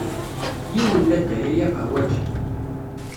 Yiwen n latay, ay aqehwaǧi.